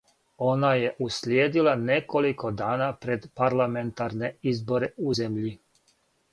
Она је услиједила неколико дана пред парламентарне изборе у земљи.